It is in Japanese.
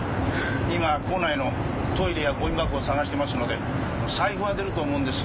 今構内のトイレやゴミ箱を探してますので財布は出ると思うんですが。